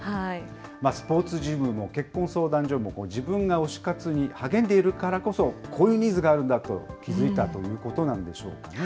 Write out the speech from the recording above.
スポーツジムも、結婚相談所も、自分が推し活に励んでいるからこそ、こういうニーズがあるんだと気付いたということなんでしょうかね。